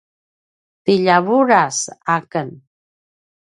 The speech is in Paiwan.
ti ljavuras aken